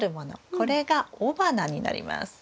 これが雄花になります。